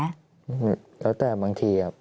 ไม่มีแล้วแตกบางทีครับ